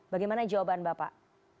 bagaimana jawaban bapak